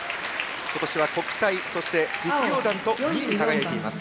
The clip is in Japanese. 今年は国体、そして実業団と２位に輝いています。